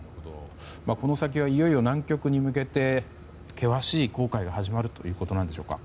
この先はいよいよ南極に向けて険しい航海が始まるということなんでしょうか。